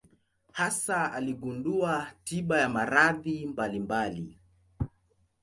Hasa aligundua tiba ya maradhi mbalimbali.